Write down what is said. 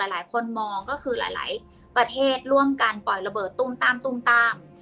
หลายคนมองก็คือหลายประเทศร่วมกันปล่อยระเบิดตุ้มตามตุ้มตาม